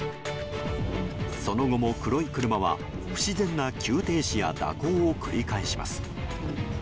その後も、黒い車は不自然な急停止や蛇行を繰り返します。